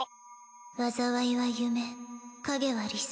災いは夢影は理想。